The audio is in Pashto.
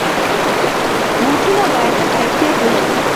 بوټونه باید ښه کیفیت ولري.